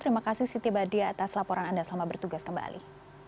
terima kasih siti badya atas laporan anda selamat bertugas kembali